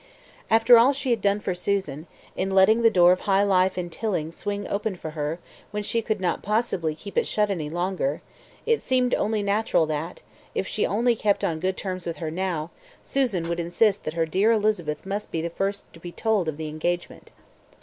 After all she had done for Susan, in letting the door of high life in Tilling swing open for her when she could not possibly keep it shut any longer, it seemed only natural that, if she only kept on good terms with her now, Susan would insist that her dear Elizabeth must be the first to be told of the engagement.